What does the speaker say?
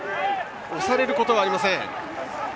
押されることはありません。